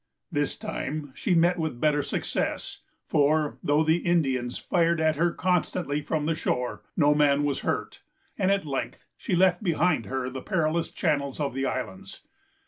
This time, she met with better success; for, though the Indians fired at her constantly from the shore, no man was hurt, and at length she left behind her the perilous channels of the Islands.